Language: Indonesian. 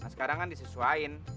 sekarang kan disesuaiin